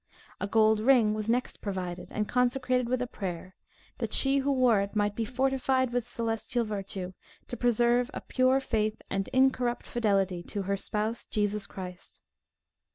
A gold ring was next provided, and consecrated with a prayer, that she who wore it "might be fortified with celestial virtue, to preserve a pure faith, and incorrupt fidelity to her spouse, Jesus Christ."